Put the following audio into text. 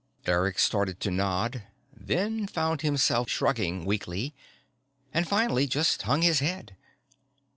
Eric started to nod, then found himself shrugging weakly, and finally just hung his head.